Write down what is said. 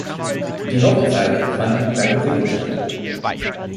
Die Hochzeit fand in Puerto Rico statt.